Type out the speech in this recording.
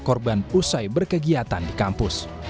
korban usai berkegiatan di kampus